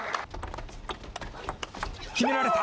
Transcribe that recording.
決められた。